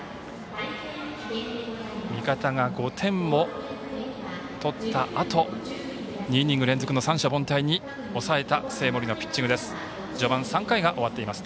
味方が５点も取ったあと２イニング連続の三者凡退に抑えた生盛のピッチングです。